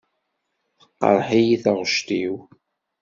Teqreḥ-iyi taɣect-iw.